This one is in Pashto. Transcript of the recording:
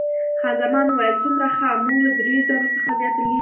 خان زمان وویل، څومره ښه، موږ له دریو زرو څخه زیاتې لیرې وګټلې.